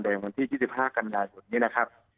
เดิมวันที่๒๕กันดายวันนี้นะครับ